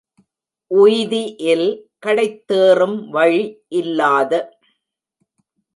உய்தி இல்—கடைத்தேறும் வழி இல்லாத.